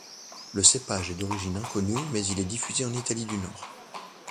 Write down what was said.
Le cépage est d'origine inconnue mais il est diffusé en Italie du nord.